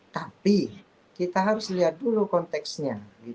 tapi kita harus lihat dulu konteksnya